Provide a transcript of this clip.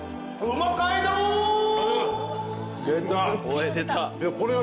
出た。